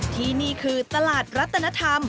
ที่นี่คือตลาดรัตนธรรม